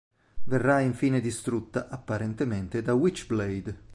Verrà infine distrutta apparentemente da Witchblade.